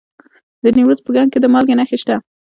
د نیمروز په کنگ کې د مالګې نښې شته.